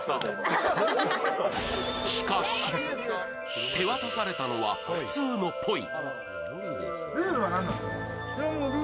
しかし、手渡されたのは普通のポイ。